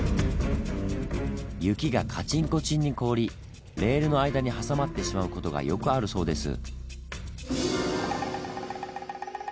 雪がカチンコチンに凍りレールの間に挟まってしまう事がよくあるそうです。